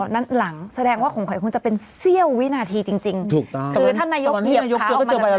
นั่นหลังแสดงว่าของข่อยคุณจะเป็นเสี้ยววินาทีจริงถ้านายกเกียบค้าออกมาแล้ว